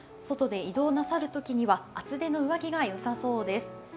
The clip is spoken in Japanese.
外で移動なさるときには、厚手の上着が良さそうです。